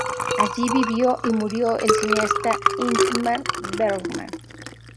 Allí vivió y murió el cineasta Ingmar Bergman.